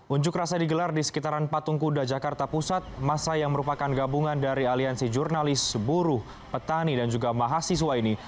unjuk rasa digelar di sekitaran patung kuda jakarta pusat masa yang merupakan gabungan dari aliansi jurnalis buruh petani dan juga mahasiswa ini